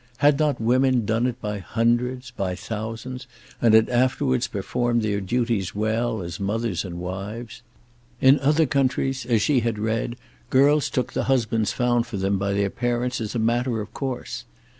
Had not women done it by hundreds, by thousands, and had afterwards performed their duties well as mothers and wives. In other countries, as she had read, girls took the husbands found for them by their parents as a matter of course.